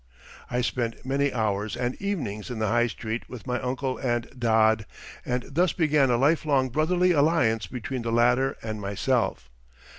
I spent many hours and evenings in the High Street with my uncle and "Dod," and thus began a lifelong brotherly alliance between the latter and myself.